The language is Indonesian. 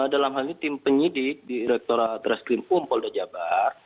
dalam hal ini tim penyidik di rektora dreskrim pum polda jabar